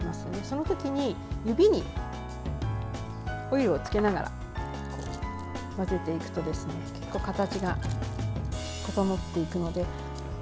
そのときに指にオイルをつけながらなでていくと形が整っていくので。